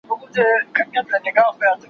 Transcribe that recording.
زه به سبا د سبا لپاره د يادښتونه ترتيب کړم!.